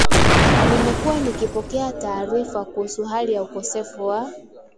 Nimekuwa nikipokea taarifa kuhusu hali ya ukosefu wa